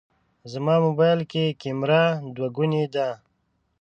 زما موبایل کې کمېره دوهګونې ده.